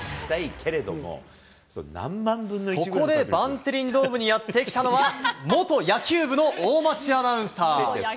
そこで、バンテリンドームにやって来たのは、元野球部の大町アナウンサー。